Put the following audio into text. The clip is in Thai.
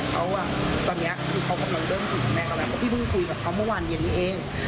แต่เขาอ่ะตอนเนี้ยคือเขากำลังเริ่มถึงแม่กระแบบว่าพี่เพิ่งคุยกับเขาเมื่อวานเย็นนี้เอง